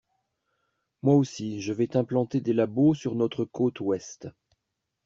Moi aussi, je vais t’implanter des labos sur notre côte ouest.